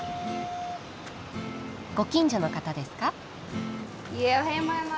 ご近所の方ですか？